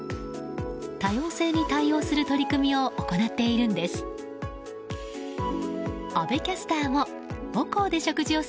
多様性に対応する取り組みを行っているんです。